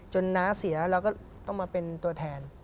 น้าเสียเราก็ต้องมาเป็นตัวแทน